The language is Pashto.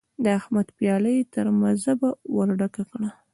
د احمد پياله يې تر مذبه ور ډکه کړه.